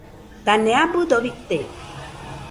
Dane abɨdo bite